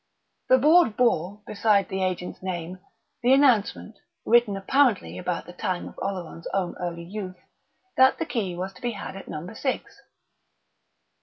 The board bore, besides the agent's name, the announcement, written apparently about the time of Oleron's own early youth, that the key was to be had at Number Six.